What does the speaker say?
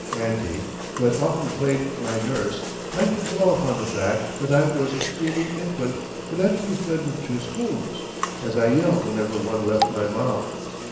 Auntie, who had often played my nurse, liked to dwell upon the fact that I was a screaming infant that had to be fed with two spoons, as I yelled whenever one left my mouth.